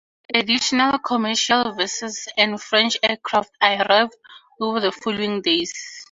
Additional commercial vessels and French aircraft arrived over the following days.